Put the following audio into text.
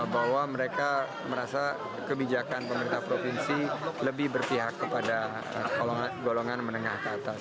bahwa mereka merasa kebijakan pemerintah provinsi lebih berpihak kepada golongan menengah ke atas